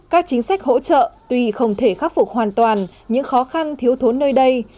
các chính sách hỗ trợ tuy không thể khắc phục hoàn toàn những khó khăn thiếu thốn nơi đây